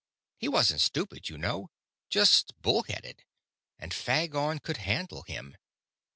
He wasn't stupid, you know; just bull headed, and Phagon could handle him.